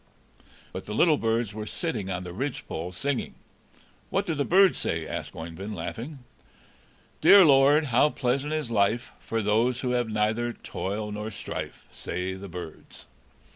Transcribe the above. But the little birds were sitting on the ridgepole, singing. "What do the birds say?" asked Oeyvind, laughing. "'Dear Lord, how pleasant is life, For those who have neither toil nor strife,' say the birds."